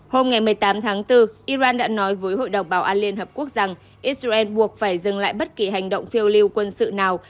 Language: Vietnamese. hôm một mươi tám tháng bốn iran đã nói với hội đồng bảo an liên hợp quốc rằng israel buộc phải dừng lại bất kỳ hành động phiêu lưu